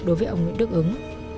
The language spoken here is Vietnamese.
đối với ông nguyễn đức ứng